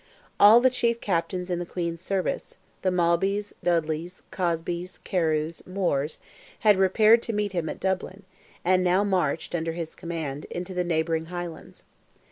All the chief captains in the Queen's service—the Malbys, Dudleys, Cosbys, Carews, Moors—had repaired to meet him at Dublin, and now marched, under his command, into the neighbouring highlands.